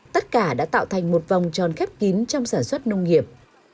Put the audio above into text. tất cả đã tạo thành một vòng tròn khép kín trong sản xuất nông nghiệp